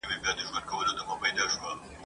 ملنګه ! محبت ګني بېخي دلته ناياب دی؟ !.